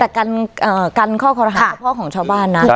แต่กันข้อคอรหาเฉพาะของชาวบ้านนะ